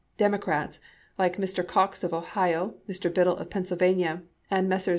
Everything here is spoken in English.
Democrats, like Mr. Cox of Ohio, Mr. Biddle of Pennsylvania, and Messrs.